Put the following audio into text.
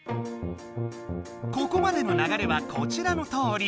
ここまでのながれはこちらのとおり。